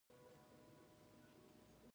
د ښي لاس موټرو ستونزه څه ده؟